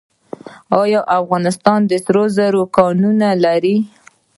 آیا افغانستان د سرو زرو کانونه لري؟